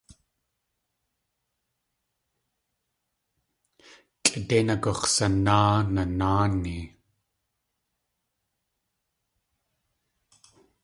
Kʼidéin agux̲sanáa nanáani.